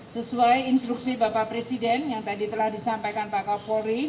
sesuai instruksi bapak presiden yang tadi telah disampaikan pak kapolri